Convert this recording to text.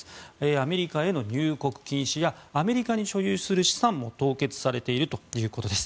アメリカへの入国禁止やアメリカに所有する資産も凍結されているということです。